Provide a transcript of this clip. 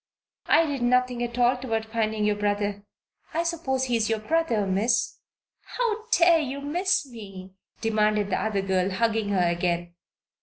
I did nothing at all toward finding your brother I suppose he is your brother, Miss?" "How dare you 'Miss' me?" demanded the other girl, hugging her again.